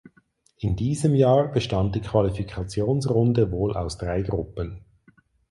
In diesem Jahr bestand die Qualifikationsrunde wohl aus drei Gruppen.